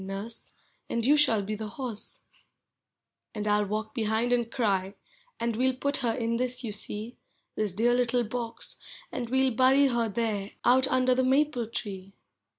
Nurse, and you shall be the horse; And 1 'II walk behind and cry, and we'll put her in this, you see— This dear little box — and we Ml bury her there out under the maple tree.